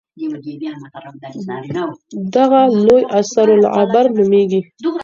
د هغه لوی اثر العبر نومېږي.